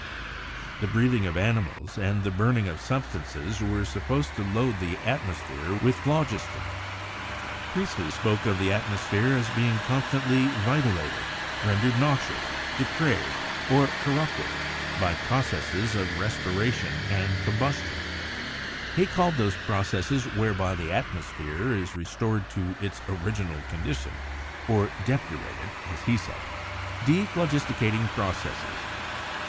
The breathing of animals and the burning of substances were supposed to load the atmosphere with phlogiston. Priestley spoke of the atmosphere as being constantly "viti ated," "rendered noxious," "depraved," or "corrupted" by DEVELOPMENT OF SPECIAL BRANCHES 133 processes of respiration and combustion; he called those processes whereby the atmosphere is restored to its origi nal condition (or "depurated," as he said), "dephlogis ticating processes."